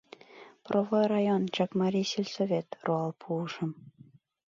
— Провой район, Чакмарий сельсовет, — руал пуышым.